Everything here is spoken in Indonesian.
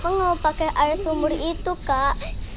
kak rafa gak mau pakai air sumur itu kak